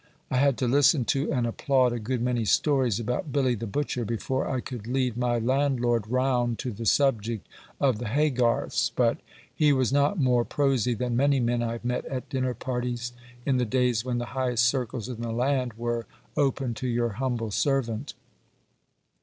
I had to listen to and applaud a good many stories about Billy the Butcher before I could lead my landlord round to the subject of the Haygarths. But he was not more prosy than many men I have met at dinner parties in the days when the highest circles in the land were open to your humble servant.